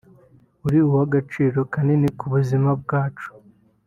uri uw’agaciro kanini ku buzima bwacu